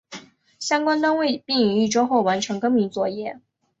相关单位并于一周后完成更名作业。